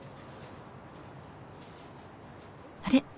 あれ？